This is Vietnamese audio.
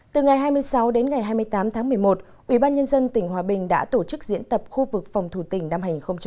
từ ngày hai mươi sáu đến ngày hai mươi tám tháng một mươi một ủy ban nhân dân tỉnh hòa bình đã tổ chức diễn tập khu vực phòng thủ tỉnh năm hai nghìn một mươi tám